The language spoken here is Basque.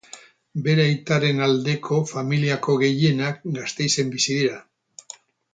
Bere aitaren aldeko familiako gehienak Gasteizen bizi dira.